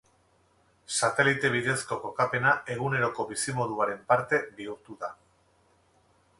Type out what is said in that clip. Satelite bidezko kokapena eguneroko bizimoduaren parte bihurtu da.